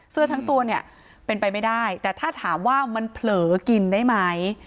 เสื้อทั้งตัวเนี่ยเป็นไปไม่ได้แต่ถ้าถามว่ามันเผลอกินได้ไหม